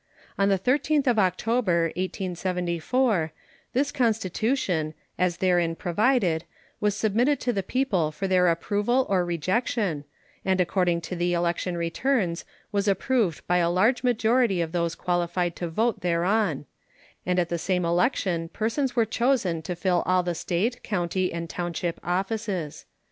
On the 13th of October, 1874, this constitution, as therein provided, was submitted to the people for their approval or rejection, and according to the election returns was approved by a large majority of those qualified to vote thereon; and at the same election persons were chosen to fill all the State, county, and township offices.